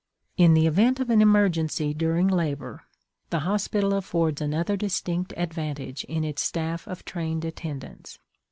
In the event of an emergency during labor, the hospital affords another distinct advantage in its staff of trained attendants.